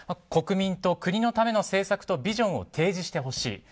国民と国のための政策とビジョンを提示してほしい。